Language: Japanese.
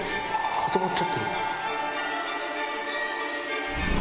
固まっちゃってる。